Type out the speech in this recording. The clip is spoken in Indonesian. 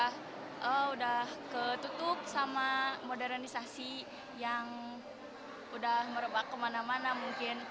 sudah ketutup sama modernisasi yang udah merebak kemana mana mungkin